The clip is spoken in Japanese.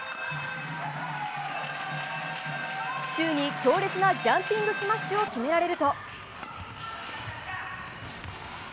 シュウに強烈なジャンピングスマッシュを決められると。